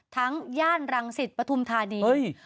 ทั้งย่านรังศิษย์ปทุมธานี